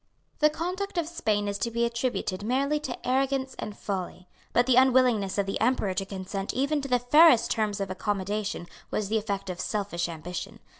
The conduct of Spain is to be attributed merely to arrogance and folly. But the unwillingness of the Emperor to consent even to the fairest terms of accommodation was the effect of selfish ambition.